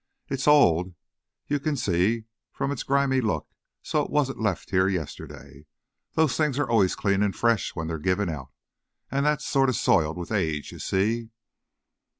It's old, you can see, from its grimy look, so it wasn't left here yesterday. Those things are always clean and fresh when they're given out, and that's sorta soiled with age, you see."